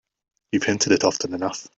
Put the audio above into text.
You've hinted it often enough.